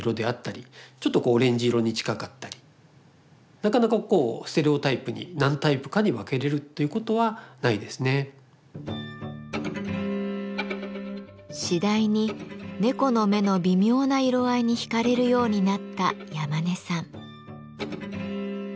なかなかこうステレオタイプに次第に猫の目の微妙な色合いに惹かれるようになった山根さん。